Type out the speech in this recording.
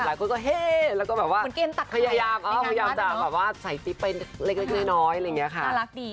แล้วก็แฮ่แล้วก็แบบว่าพยายามจากแบบว่าใส่ติเป็นเล็กน้อยอะไรอย่างเงี้ยค่ะ